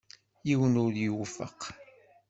Yiwen ur y-iwefeq.